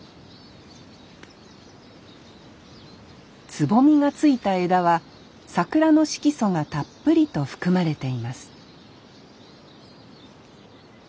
つぼみがついた枝は桜の色素がたっぷりと含まれています